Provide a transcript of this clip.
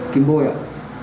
kim bôi ạ